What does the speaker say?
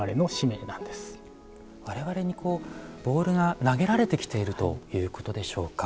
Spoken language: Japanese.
我々にこうボールが投げられてきているということでしょうか？